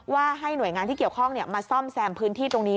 ว่าให้หน่วยงานที่เกี่ยวข้องมาซ่อมแซมพื้นที่ตรงนี้